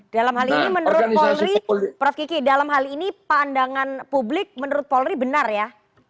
dalam hal ini menurut polri prof kiki dalam hal ini pandangan publik menurut polri benar ya